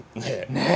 ねえ！